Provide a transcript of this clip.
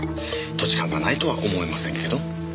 土地勘がないとは思えませんけど。